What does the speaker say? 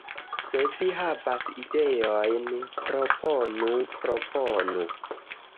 Se vi havas ideojn, proponu, proponu.